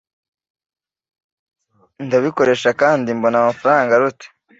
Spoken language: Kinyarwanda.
ndabikoresha kandi mbona amafaranga aruta